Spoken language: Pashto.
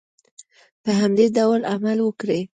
په همدې ډول عمل وکړئ.